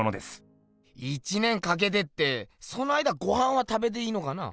１年かけてってその間ごはんは食べていいのかな？